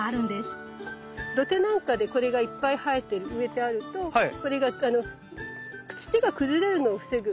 土手なんかでこれがいっぱい生えて植えてあるとこれが土が崩れるのを防ぐ。